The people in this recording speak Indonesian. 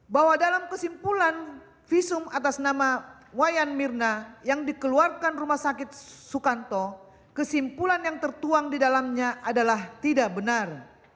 bahwa dalam kesimpulan visum atas nama wayan mirna yang dikeluarkan rumah sakit sukanto kesimpulan yang tertuang di dalamnya adalah tidak benar